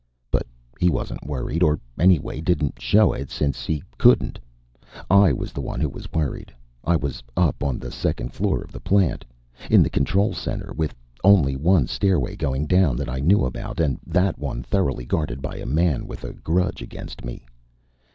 But he wasn't worried, or anyway didn't show it, since he couldn't. I was the one who was worried. I was up on the second floor of the plant, in the control center, with only one stairway going down that I knew about, and that one thoroughly guarded by a man with a grudge against me.